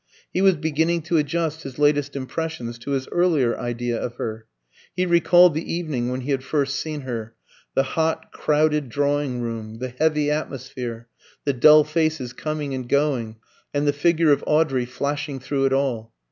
He was beginning to adjust his latest impressions to his earlier idea of her. He recalled the evening when he had first seen her the hot, crowded drawing room, the heavy atmosphere, the dull faces coming and going, and the figure of Audrey flashing through it all.